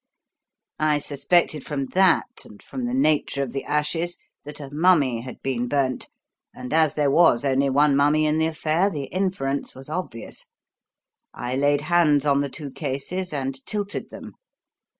I suspected from that and from the nature of the ashes that a mummy had been burnt, and as there was only one mummy in the affair, the inference was obvious. I laid hands on the two cases and tilted them.